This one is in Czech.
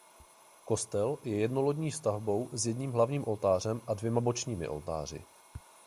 Kostel je jednolodní stavbou s jedním hlavním oltářem a dvěma bočními oltáři.